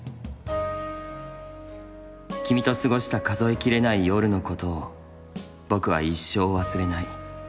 君と過ごした数えきれない夜のことを僕は一生忘れない。